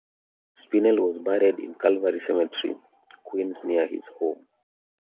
Spinell was buried in Calvary Cemetery, Queens near his home.